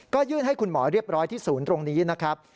ก็ยื่นให้คุณหมอเรียบร้อยที่ศูนย์ตรงนี้นะครับ